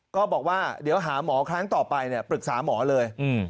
ก็บอกว่าเดี๋ยวหาหมอครั้งต่อไปปรึกษาหมอเลย